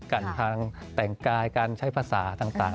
กันทางแต่งกายการใช้ภาษาต่าง